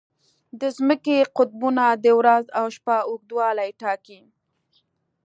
د ځمکې قطبونه د ورځ او شپه اوږدوالی ټاکي.